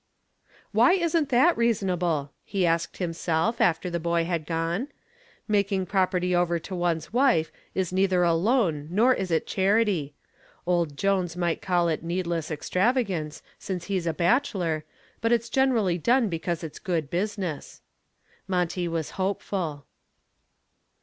"Why isn't that reasonable?" he asked himself after the boy had gone. "Making property over to one's wife is neither a loan nor is it charity. Old Jones might call it needless extravagance, since he's a bachelor, but it's generally done because it's good business." Monty was hopeful.